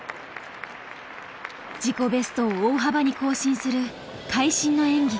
自己ベストを大幅に更新する会心の演技。